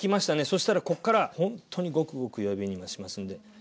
そしたらこっからほんとにごくごく弱火に今しますんで。